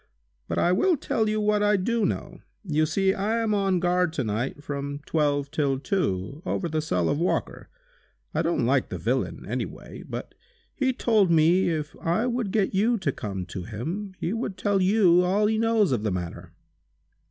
But I will tell you what I do know. You see I am on guard to night from twelve till two, over the cell of Walker. I don't like the villain any way, but, he told me if I would get you to come to him, he would tell you all he knows of the matter!"